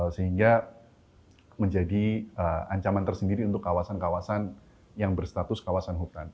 sehingga menjadi ancaman tersendiri untuk kawasan kawasan yang berstatus kawasan hutan